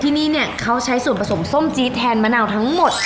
ที่นี่เนี่ยเขาใช้ส่วนผสมส้มจี๊ดแทนมะนาวทั้งหมด